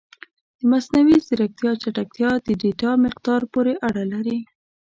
د مصنوعي ځیرکتیا چټکتیا د ډیټا مقدار پورې اړه لري.